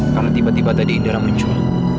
karena tiba tiba tadi indera muncul